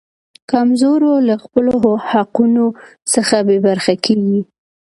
کمزورو له خپلو حقونو څخه بې برخې کیږي.